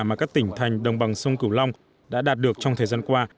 mà các tỉnh thành đồng bằng sông cửu long đã đạt được trong thời gian qua